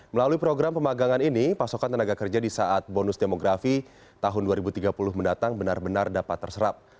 melalui program pemagangan ini pasokan tenaga kerja di saat bonus demografi tahun dua ribu tiga puluh mendatang benar benar dapat terserap